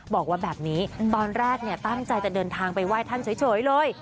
บอกว่าแบบนี้ตอนแรกตั้งใจจะเดินทางไปไหว้ท่านเฉยเลย